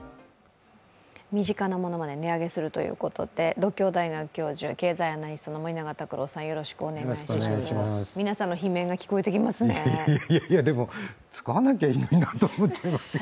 身近なものまで値上げするということで、独協大学教授、経済アナリストの森永卓郎さんです。